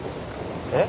えっ？